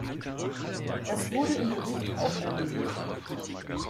Das wurde im Bericht auch erwähnt.